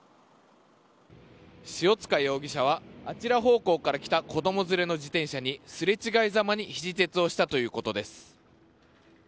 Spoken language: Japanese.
塩塚容疑者はあちら方向から来た子供連れの自転車にすれ違いざまにひじ鉄をしたということです。